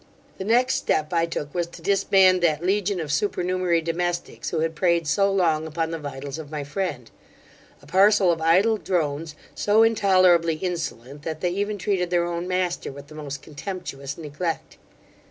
The next step I took was to disband that legion of supernumerary domestics, who had preyed so long upon the vitals of my friend:, a parcel of idle drones, so intolerably insolent, that they even treated their own master with the most contemptuous neglect.